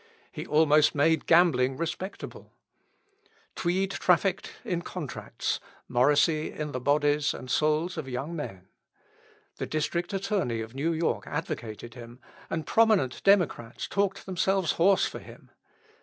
He almost made gambling respectable. Tweed trafficked in contracts, Morrisey in the bodies and souls of young men. The District Attorney of New York advocated him, and prominent Democrats talked themselves hoarse for him.